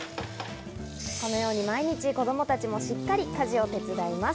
このように毎日、子供たちもしっかり家事を手伝います。